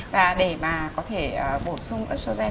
và để mà có thể bổ sung estrogen